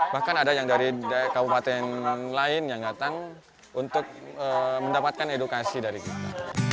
bahkan ada yang dari kabupaten lain yang datang untuk mendapatkan edukasi dari kita